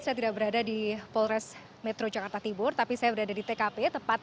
saya tidak berada di polres metro jakarta timur tapi saya berada di tkp